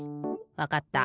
わかった。